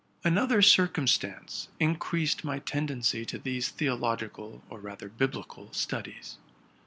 Another circumstance increased my tendency to these theo logical, or, rather, biblical, studies.